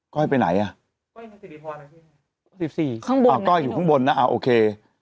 ก้อยไปไหนอ่ะ๑๔ครั้งบนนะครับโอเค